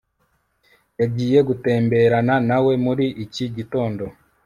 yagiye gutemberana nawe muri iki gitondo